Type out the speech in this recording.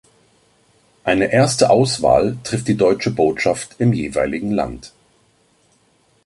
Eine erste Auswahl trifft die Deutsche Botschaft im jeweiligen Land.